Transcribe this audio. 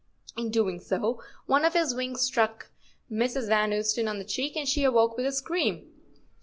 In doing so, one of his wings struck Mrs. Van Ousten on the cheek, and she awoke with a scream.